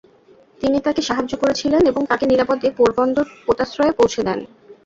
তিনি তাকে সাহায্য করেছিলেন এবং তাকে নিরাপদে পোরবন্দর পোতাশ্রয়ে পৌঁছে দেন।